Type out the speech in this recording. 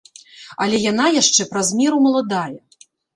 Але яна яшчэ праз меру маладая.